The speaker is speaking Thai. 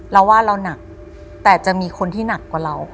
เราว่าเราหนักแต่จะมีคนที่หนักกว่าเรา